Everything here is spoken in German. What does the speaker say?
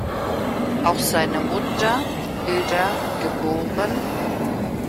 Auch seine Mutter Hilda, geb.